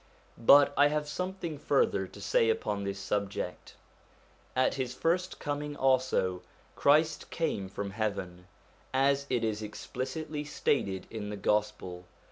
But I have something further to say upon this subject. At his first coming also, Christ came from heaven, as it is explicitly stated in the Gospel.